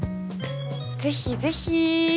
ぜひぜひ。